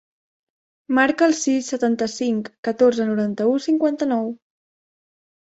Marca el sis, setanta-cinc, catorze, noranta-u, cinquanta-nou.